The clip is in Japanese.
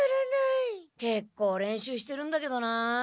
けっこう練習してるんだけどな。